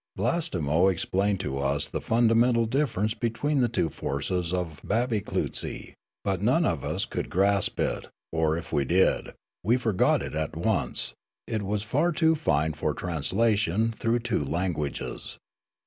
Blastemo explained to us the fundamental difference between the two forces of ' babbyclootsy '; but none of us could grasp it, or, if we did, w^e forgot it at once; it was far too fine for translation through two languages.